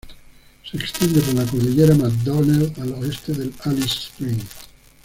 Se extiende por la Cordillera MacDonnell al oeste de Alice Springs.